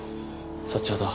そっちはどう？